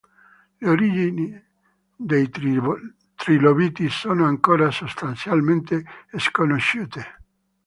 Le origini dei trilobiti sono ancora sostanzialmente sconosciute.